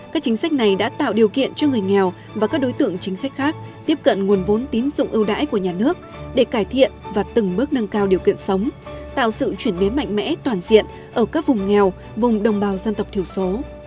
các chính sách này đã tạo điều kiện cho người nghèo và các đối tượng chính sách khác tiếp cận nguồn vốn tín dụng ưu đãi của nhà nước để cải thiện và từng bước nâng cao điều kiện sống tạo sự chuyển biến mạnh mẽ toàn diện ở các vùng nghèo vùng đồng bào dân tộc thiểu số